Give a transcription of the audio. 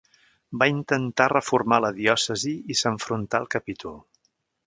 Va intentar reformar la diòcesi i s'enfrontà al capítol.